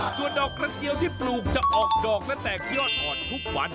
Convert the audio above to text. ส่วนดอกกระเจียวที่ปลูกจะออกดอกและแตกยอดอ่อนทุกวัน